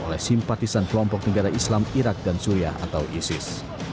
oleh simpatisan kelompok negara islam irak dan suriah atau isis